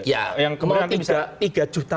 ya yang kemarin tiga juta